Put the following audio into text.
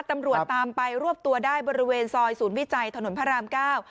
ตำรวจตามไปรวบตัวได้บริเวณซอยศูนย์วิจัยถนนพระรามเก้า